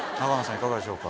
いかがでしょうか？